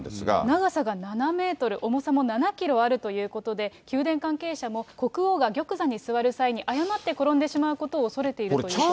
長さが７メートル、重さも７キロあるということで、宮殿関係者も、国王が玉座に座る際、誤って転んでしまうことを恐れているということです。